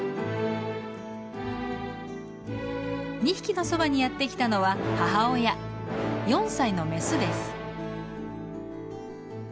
２匹のそばにやってきたのは母親４歳のメスです。